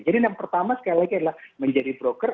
jadi yang pertama sekali lagi adalah menjadi broker